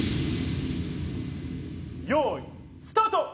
よい、スタート！